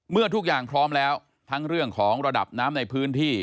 ทุกอย่างพร้อมแล้วทั้งเรื่องของระดับน้ำในพื้นที่